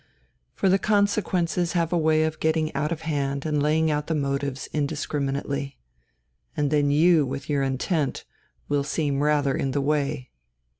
For the consequences have a way of getting out of hand and laying out the motives indiscriminately. And then you with your intent and will seem rather in the way.